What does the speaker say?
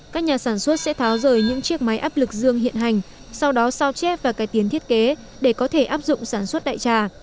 các nhà sản xuất sẽ tháo rời những chiếc máy áp lực dương hiện hành sau đó sao chép và cải tiến thiết kế để có thể áp dụng sản xuất đại trà